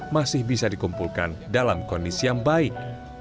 masih bisa dikumpulkan dalam kondisi yang baik